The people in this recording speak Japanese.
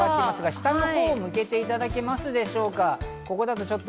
下のほうに向けていただけますでしょうか。